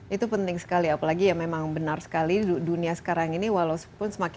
itu penting sekali apalagi ya semang benar sekali dunia sekarang ini walaupun semakin lama dan semak